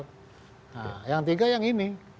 nah yang tiga yang ini